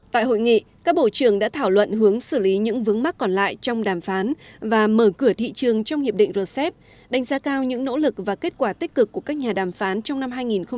tại hội nghị các bộ trưởng đã thảo luận hướng xử lý những vướng mắc còn lại trong đàm phán và mở cửa thị trường trong hiệp định rcep đánh giá cao những nỗ lực và kết quả tích cực của các nhà đàm phán trong năm hai nghìn một mươi chín